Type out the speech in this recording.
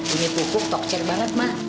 ini pupuk tokcer banget ma